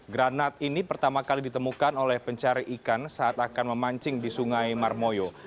granat ini pertama kali ditemukan oleh pencari ikan saat akan memancing di sungai marmoyo